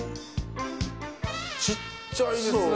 ちっちゃいですね。